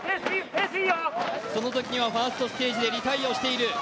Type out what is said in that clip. そのときにはファーストステージでリタイアをしている。